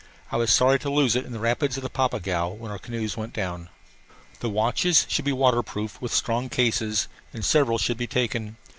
I was sorry to lose it in the rapids of the Papagaio when our canoes went down. The watches should be waterproof with strong cases, and several should be taken.